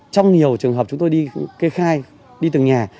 trong nhiều trường hợp chúng tôi đi kê khai đi từng nhà